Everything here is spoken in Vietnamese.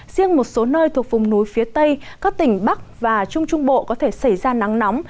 riêng một số nơi thuộc vùng núi phía tây các tỉnh bắc và trung trung bộ có thể xảy ra nắng nóng